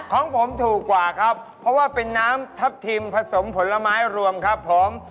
ของผมถูกกว่าครับเพราะว่าเป็นน้ำทับทิมผสมผลไม้รวมครับผม